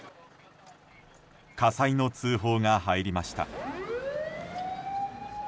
火災の通報が入りました。